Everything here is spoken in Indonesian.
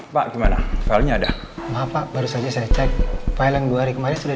pak gimana file nya ada apa baru saja saya cek file yang dua hari kemarin sudah